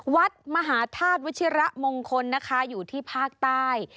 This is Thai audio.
วัดมหาธาตุวัชิระมงคลนะคะอยู่ที่ภาคใต้